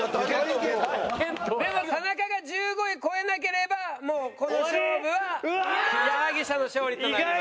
でも田中が１５位超えなければもうこの勝負は矢作舎の勝利となります。